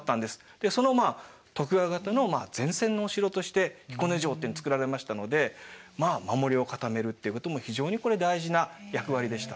でその徳川方の前線のお城として彦根城って造られましたのでまあ守りを固めるっていうことも非常にこれ大事な役割でした。